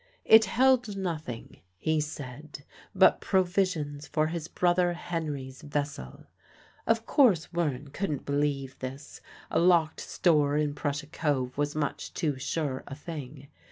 "It held nothing," he said, "but provisions for his brother Henry's vessel." Of course Wearne couldn't believe this; a locked store in Prussia Cove was much too sure a thing.